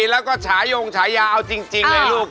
แล้วก็ฉายงฉายาเอาจริงเลยลูก